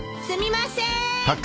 すみません。